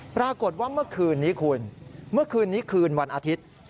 ปรากฏว่าเมื่อคืนนี้คุณเมื่อคืนนี้คืนวันอาทิตย์